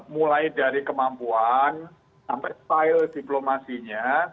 mulai dari kemampuan sampai style diplomasinya